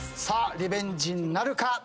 さあリベンジなるか。